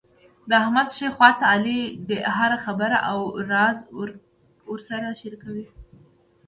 د احمد ښۍ خوټه علي دی، هره خبره او راز ورسره شریکوي.